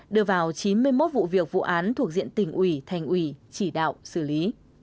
đưa vào chín mươi một vụ việc vụ án thuộc diện tỉnh ủy thành ủy chỉ đạo xử lý